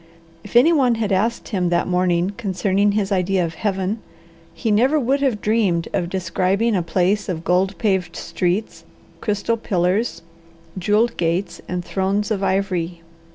If anyone had asked him that morning concerning his idea of Heaven, he never would have dreamed of describing a place of gold paved streets, crystal pillars, jewelled gates, and thrones of ivory.